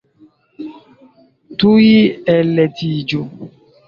Tuj ellitiĝu!